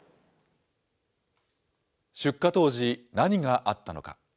出火当時、何があったのか。